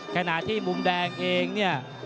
ขณะที่มุมแดงเองเนี่ย